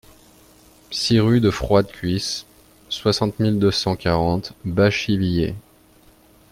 six rue de Froide Cuisse, soixante mille deux cent quarante Bachivillers